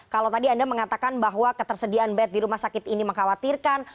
kalau tadi anda mengatakan bahwa ketersediaan bed di rumah sakit ini mengkhawatirkan